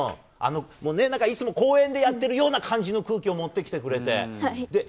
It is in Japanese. いつも公園でやってるような感じの空気を持ってきてくれて。